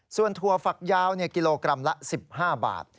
ส่วนถั่วฝักยาวกิโลกรัมละ๑๕บาท